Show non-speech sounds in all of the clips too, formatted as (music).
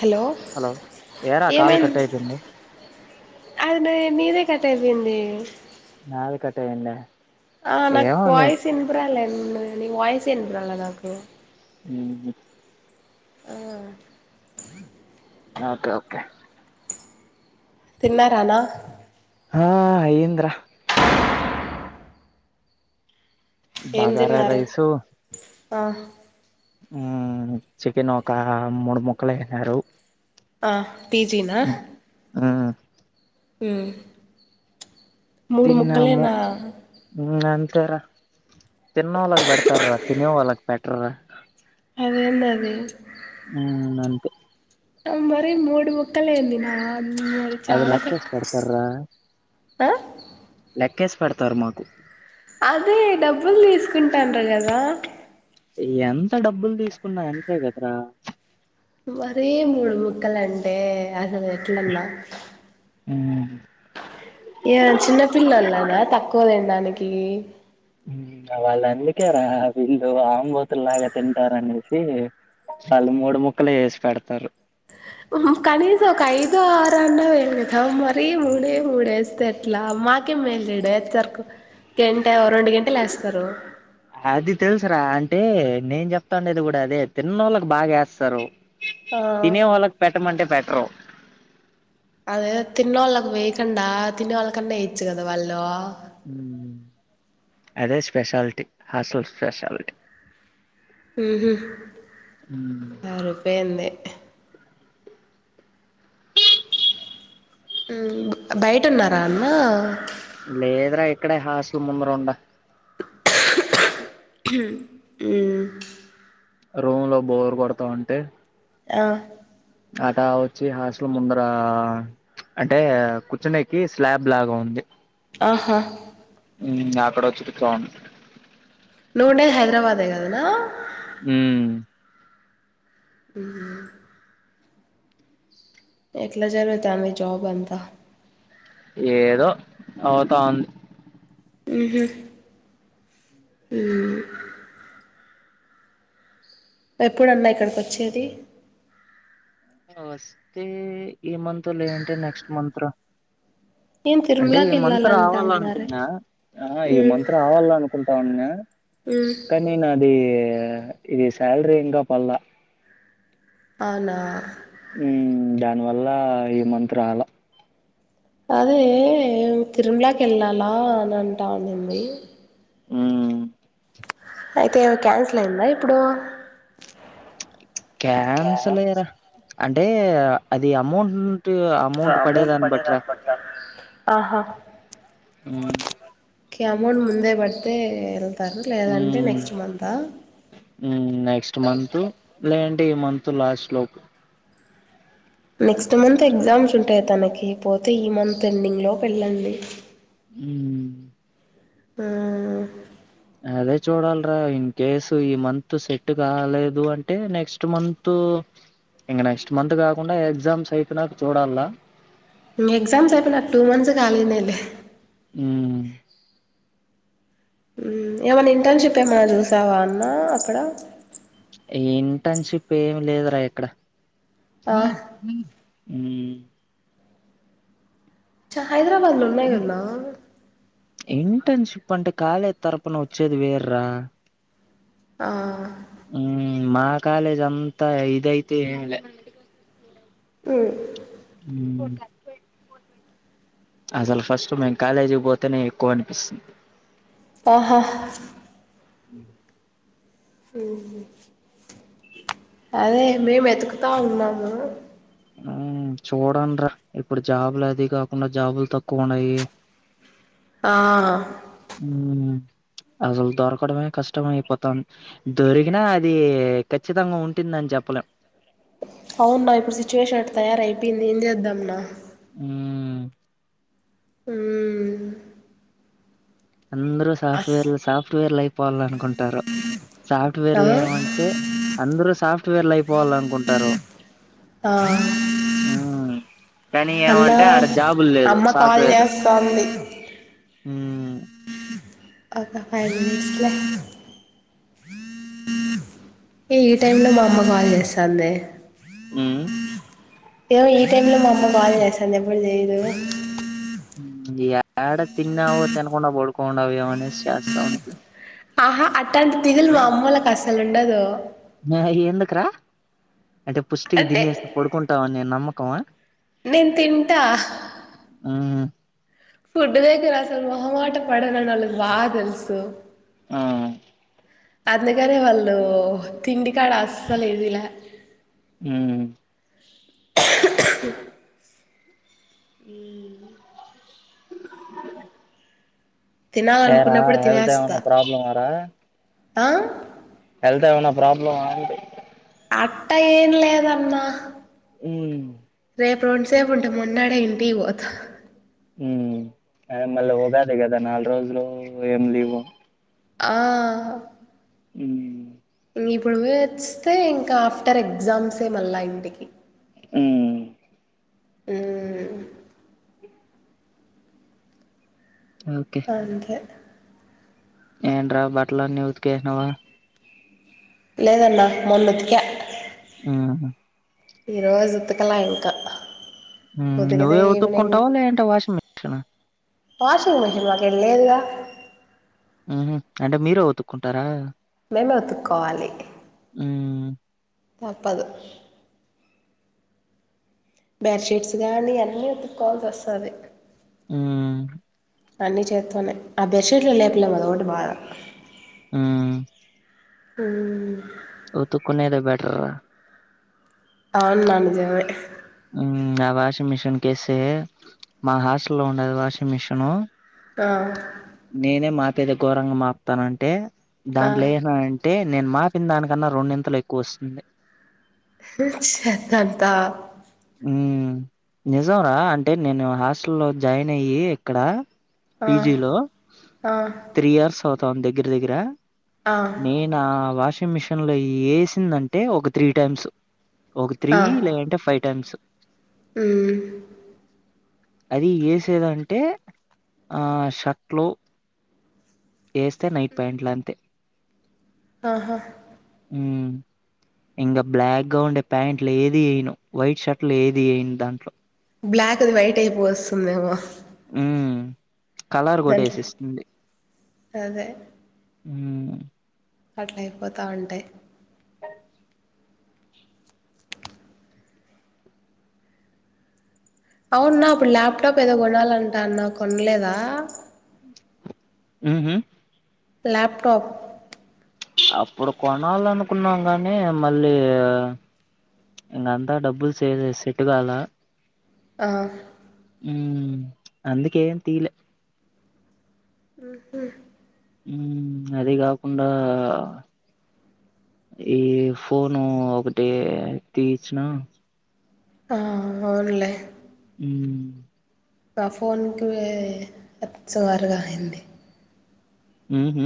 Hello hello ఏరా call ఏమైంది కట్టైపోయింది? అది నీ నీదే కట్టైపోయిందీ నాదె కట్టైంద ఆ నాక్ వాయిస్ ఇన్పరాలే అన్న నీ వాయిసే ఇన్పరాలే నాకు ఉహు ఆ అ ఓకె ఓకే హ్ తిన్నారానా? ఆ అయ్యింద్ర ఏం బగారా తిన్నారు రైసు ఆ ఉ చికెన్ ఒక మూడు ముక్కలు ఎహ్నారు. ఆ పిజీనా మ్మ్ ఉహ్ మూడు ముక్కలేనా? ఉ అంతేర తిన్నోలకి పెడతార్ రా తినే వాళ్లక్ పె ట్రా అదేందది ఉ అంతే మరీ మూడు ముక్కలు ఎందినా ఆది లక్కేస్ పెడ్తర్ రా అ లెక్కేస్ పెడతారు మాకు అదే డబ్బులు తీసుకుంటాండ్రు కదా ఎంత డబ్బులు తీసుకున్న అంతే కదరా మరీ ముడుముక్కల అంటే అసలు ఎట్లన్న మ్మ్ ఏ చిన్నపిల్లలనా తక్కువ తిండానికి ఈ హ్మ్. వాళ్ళు అందుకే రా వీళ్ళు లు ఆంబోతులు లాగా తింటారు అనేసి వాళ్ళు మూడు ముక్కలే ఎసి పెడతారు. హుహ్ కనీసం ఒక ఐదొ ఆరో అన్న వేయలేదా మరీ మూడే మూడు వేస్తే ఎట్లా మాకే మేలు ఇడా వేస్తారు. ఒక గంట రెండు గంటలు వేస్తారు. అది తెలుసురా అంటే నేను చెప్తాండది కూడా అదే తిననోళ్ళకి బాగా వేస్తారు. ఆ తినే వాళ్ళకు పెట్టమంటే పెట్టరు. అదే తిన్నోళ్ళకు వేయకుండా తినే వాళ్ళకన్నా వెయచ్చు కదా వాళ్ళు. హ్ అదే స్పెషాలిటీ హాస్టల్ స్పెషాలిటీ. హుహ్ హ్మ్. సరిపోయింది. హ్ బయటున్నారా అన్నా. లేదురా ఇక్కడే హాస్టల్ ముందర ఉండా. హ్ ఉ రూమ్ లో బోర్ కొడతా ఉంటే ఆ అట వచ్చి హాస్టల్ ముందర అంటే కూర్చోనికి స్లాబ్ లాగా ఉంది. ఆహా హ్ అక్కడ వచ్చి (unintelligible) నువ్వు ఉండేది హైదరాబాదే కాదన్నా. హ్మ్ ఉహ్ ఎట్లా జరుగుతాంది జాబ్ అంతా. ఏదో అవుతా ఉంది. ఉహు ఉ ఎప్పుడన్నా ఇక్కడికి వచ్చేది. వస్తే ఈ మంత్ లేదంటే నెక్స్ట్ మంత్ రా. నేను అంటే తిరుమలకి ఈ మంత్ వెళ్ళాలంట రావాల అన్నారే అనుకున్నా ఆ ఈ మ్మ్ మంత్ రావాల అనుకుంటా ఉండినా మ్మ్ కానీ నాది ఆ ఇది సాలరీ ఇంకా పల్లా అవునా. హ్ దానివల్ల ఈ మంతురాల. అదే తిరుమలాకి వెళ్ళాలా అని అంటా ఉండింది. హ్మ్ అయితే క్యాన్సిల్ అయిందా ఇప్పుడు. క్యాన్సల్ ఏరా. అంటే అది అమౌం ఆ అమౌంట్ పడే దాని బట్టిరా ఆహా హ్ ఒకే అమౌంట్ ముందే పడతే ఎల్ తారు లేదంటే ఉమ్ నెక్స్ట్ మంత్ ఆ ఉమ్ త్ లాస్ట్ లోపు. నెక్స్ట్ మంత్ ఎగ్జామ్స్ ఉంటాయి తనకి పోతే ఈ మంత్ ఎండింగ్ లోపు వెళ్ళండి. ఉమ్ ఆ అదే చూడాలరా ఇన్ కేస్ ఈ మంత్ సెట్ కాలేదు అంటే నెక్స్ట్ మంత్ ఇంగ నెక్స్ట్ మంత్ కాకుండా ఎగ్జామ్స్ అయిపో నాక చూడాల ఇంగ ఎక్సామ్స్ అయిపోనా టూ మంత్స్ కాలినేలే ఉమ్ ఉమ్ ఏమైన్నా ఇంటర్న్షిప్ ఏమనా జూసావా అన్నా అక్కడ ఇంటర్న్షిప్ ఏమి లేదురా ఇక్కడ ఆ హ (inaudible) ఉమ్ చాద హైదరాబాద్ లో ఉన్నాయి గదన ఇంటర్న్షిప్ అంటే కాలేజ్ తరపున వచ్చేది వేరూ రా ఆ మా కాలేజ్ అంతా ఇదైతే ఉమ్ ఉమ్ అసలు ఫస్ట్ మేము కాలేజీ బోతేనే ఎక్కువ అనిపిస్తుంది. ఆహా అ (inaudible) ఉ అదే మేమెతుకుతా ఉన్నాము. ఆ చూడండ్ర ఇప్పుడు జాబులు అది గాకుండా జాబులు తక్కువ ఉన్నాయి ఆ ఉ అసలు దొరకడమే కష్టమ అయిపోతాంది దొరికినా అది ఖచ్చితంగా ఉంటుందని జెప్పలేం అవున్నా ఇప్పుడు సిచ్యువేషనట్ట తయారయిపోయింది ఏం జేద్దమ్ అ ఉమ్ ఉమ్ అందరుూ సాఫ్ట్వేర్ సాఫ్ట్వేర్లు అయిపోవాలనుకుంటారు ఆ సాఫ్ట్వేర్లు ఏమంటే అందరుూ సాఫ్ట్వేర్లు అయిపోవాలనుకుంటారు ఆ కానీ అన్నా ఏమంటే ఆడ జాబులు లేదు అమ్మ కాల్ సాఫ్ట్వేర్ చేస్తాంది ఉమ్ ఒక ఫైవ్ మినిట్స్లే ఈ టైంలో మా అమ్మ కాల్ జేస్తాందే ఉమ్ ఏమో ఈ టైమ్ లో మా అమ్మ బాగా జెస్తాంది ఎప్పుడు చెయ్దు యాడ తిన్నావో తిన్కుండా పడుకోండావేమోని చేస్తా ఉుంది ఆహా అట్టాంటి తిగల్ అమ్మలకు అసలు ఉండదు ఎందుకురా అంటే పుష్టికి అంటే దినేసి పడుకుంటావని నమ్మకం కోన నేను తింటా మ్మ్ ఫుడ్ దగ్గర అసలు మొహంమాట పడనని వాళ్ళకి బాగా తెలుసు ఆ అందుకనే వాళ్ళు తిండి కాడ అస్లు ఏదిలే మ్మ్ ఉమ్ ఏరా తినాలనుకున్నప్పుడు తినేస్తా హెల్తామన్నా ప్రాబ్లమన్నా రా ఆ హెల్త్ ఏమైనా ప్రాబ్లమా అండి అట్టా ఏం లేదన్నా ఉ రేపు రోంసేపు ఉంటే మొన్నడే ఏంటి పోత ఉ అ మళ్ళీ ఉగాద కదా నాలుగు రోజులు ఏం లీవు ఆ ఉ ఇంక ఇప్పుడు వస్తే ఇంకా ఆఫ్టర్ ఎగ్జామ్స్ ఏ మళ్ళా ఇంటికి హు ఉమ్ ఓకే అంతే ఏంట్రా బట్టలు వుతికేసినవా లేదన్నా మొన్నఉతికియా ఆహా ఈరోజుతుకల ఇంకా ఉమ్ కుదుకుతే నువ్వే ఈవనింగ్ ఉతుక్కుంటావా లేదంటే వాషింగ్ మిషనా వాషింగ్ మిషన్ మాకే లేదుగా ఉహు అంటే మీరే ఉతుక్కుంటారా మేమే ఉతుక్కోవాలి ఊ తప్పదు బెడ్షీట్స్ గానీ అన్నీ ఒతుక్కకోవాల్సి వస్తుంది ఆ అన్ని చేస్తున్నాయి ఆ బెడ్ షీట్లు లేపిలేము అది ఒకటి బాధ ఉమ్ ఉమ్ ఉతుక్కునదే బెటరు అవును నా నిజమే ఆ వాషింగ్ మిషిన్ కేస్తే మా హాస్టల్ లో ఉండది వాషింగ్ మిషిన్ ఆ నేనే మా పేద ఘోరంగా మాపుతానంటే ఆ దాంట్లో ఏ అంటే నేను మాటిన్న దానికన్నా రెండింతలు ఎక్కువ వస్తుంది చెత్తంతా హు నిజం న రా అంటే నేను హాస్టల్లో జాయిన్ అయి ఇక్కడ ఆ పీజీ లో ఆ త్రీ ఇయర్స్ తమి దగ్గర దగ్గర ఆ నేనా వాషింగ్ మిషన్ లో వేసిందంటే ఒక త్రీ టైమ్స్ ఒక త్రీ లే అంటే ఫైవ్ టైమ్స్ ఉమ్ అది వేసేదంటే షర్ట్లు ఏస్తే నైట్ ప్యాంట్లు అంతే ఆహా ఇంకా బ్లాక్ గా ఉండే ప్యాంట్లు ఏది ఏయిను వైట్ షర్ట్ లు ఏది ఎయనుదాంట్లో బ్లాక్ ది వైట్ అయిపో వస్తుందేమో ఉమ్ కలర్ కోటేసుస్తుంది ఉ అట్లయిపోతా ఉంటాయి అవున్న అప్పుడు ల్యాప్ టాప్ ఏదో కొనాలంటాఉన్నావు కొనలేదా ఉహు ల్యాప్ టాప్ అప్పుడు కొనాలనుకున్నాం గానీ మళ్ళీ ఇంకంతా డబ్బులుసే సెట్ కాల ఆ ఉ అందుకే ఎం తియలే ఆహ అదే కాకుండా ఈ ఫోను ఒకటి తీయిచ్చిన ఆ అవునులే ఉమ్ ఆ ఫోన్కి సుమారుగా అయింది ఉ ఉ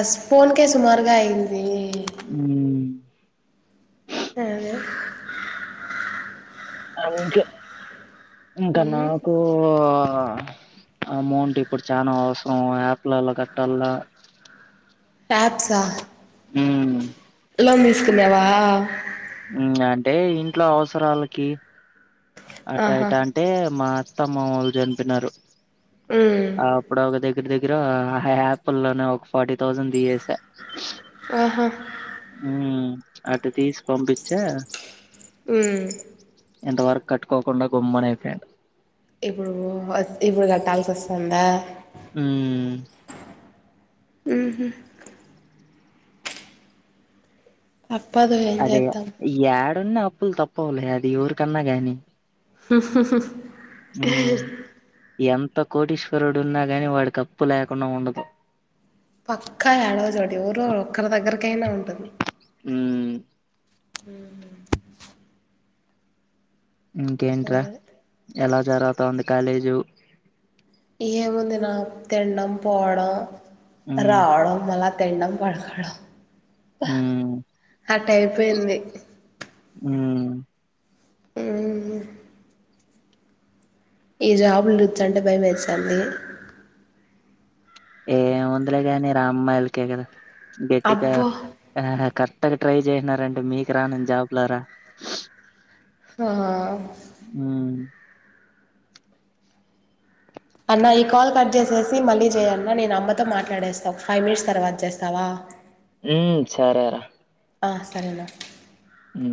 అస్ ఫోన్కే సుమార్గాయింది ఉ అదే అంకె ఇంక ఉమ్ నాకూ ఆ అమౌంట్ ఇప్పుడు చానాా అవసరం యాప్లలో కట్టాల టాబ్స్ ఆ ఉమ్ ఎలో మ ఇసుకునేవా (unintelligible) హ్మ్ అంటే ఇంట్లో అవసరాలకి అట్ట ఆహా ఇట్ట అంటే మా త్త మామ వాళ్ళు చనిపోయినారు ఉమ్ ఆప్పుడ ఒక దగ్గర దగ్గర దగ్గర హ యాపిల్ లోనే ఒక ఫార్టీ థౌజండ్ తీసేసా ఆహా ఉమ్ అటు తీసి పంపిచే హ్ ఉమ్ ఎంతవరక్ కట్టుకోకుండా గమ్మున అయిపోయాను ఇప్పుడు ఇప్పుడు కట్టాల్సి వస్తాందా హ్మ్మ్ ఉహు తప్పదు ఏం అదే చేద్దాం యాడున్నావ్ తప్పులు తప్పవులే అది ఎవరి కన్నా గానీ ఉహు హు హూ ఎంత కోటీశ్వరుడు ఉన్నా గాని వాడికి అప్పు లేకుండా ఉండదు పక్కా ఏడవ చోట ఎవరో ఒక్కరి దగ్గరకైనా ఉంటది ఉమ్ ఇంకేన్ట్రా అదే ఎలా జరతాంది కాలేజు ఏముంది నా తిడం పోవడం ఉమ్ రావడం మల్ల తినడం పడుకోడం ఉమ్ అటీయిపోయింది హ్మ్ మ్మ్ ఈ జాబులు చూస్తా అంటే భయ వేచండి ఏ వందులే కానీ రామ్మాయిలకే కదా గెటిగా అబ్బో క అట్టకు ట్రై చేసినారంటే మీకు రానును జాబ్లా రా ఆ అన్న ఈ కాల్ కట్ చేసేసి మళ్ళీ చేయాలన్న నేను అమ్మతో మాట్లాడేస్తావు ఫైవ్ మినిట్స్ తర్వాత చేస్తావా ఉ సరేరా ఆ సరేనా అ